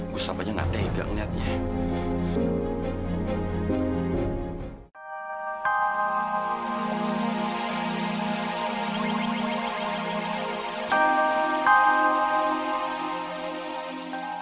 gustaf aja nate gak ngeliatnya ya